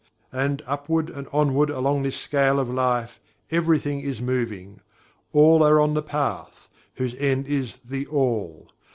And, upward and onward along this Scale of Life, everything is moving. All are on the Path, whose end is THE ALL.